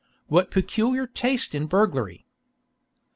"What peculiar taste in burglary!"